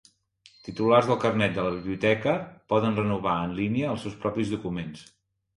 Titulars del carnet de la biblioteca poden renovar en línia els seus propis documents.